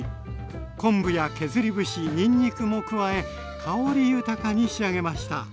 昆布や削り節にんにくも加え香り豊かに仕上げました。